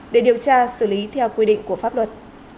để điều tra xử lý theo quy định của pháp luật